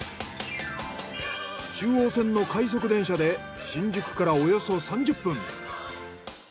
中央線の快速電車で新宿からおよそ３０分。